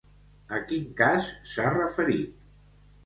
A quin cas s'ha referit?